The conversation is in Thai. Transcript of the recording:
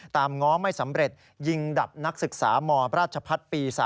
ตามง้อไม่สำเร็จยิงดับนักศึกษามรปี๓